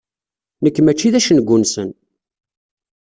Nekk mačči d acengu-nsen.